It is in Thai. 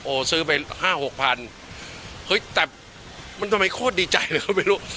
โอ้ซื้อไป๕๖๐๐๐เฮ้ยแต่มันทำไมโคตรดีใจเลยเขาไม่รู้